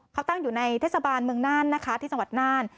เขาตั้งอยู่ในเทศบาลเมืองน่านนะคะที่จังหวัดน่าน